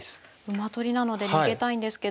馬取りなので逃げたいんですけど。